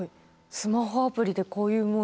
スマホアプリでこういうもの。